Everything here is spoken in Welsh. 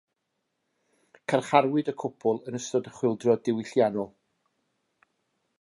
Carcharwyd y cwpl yn ystod y Chwyldro Diwylliannol.